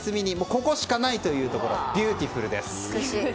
ここしかないというところビューティフルです。